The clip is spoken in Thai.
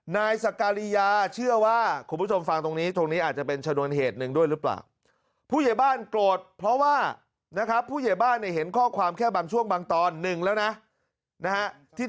นายสการียาเชื่อว่าคุณผู้ชมฟังตรงนี้